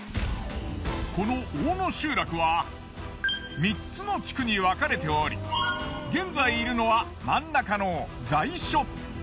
この大野集落は３つの地区に分かれており現在いるのは真ん中の在所。